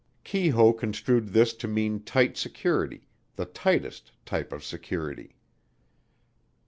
Keyhoe construed this to mean tight security, the tightest type of security.